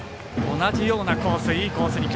同じようなコース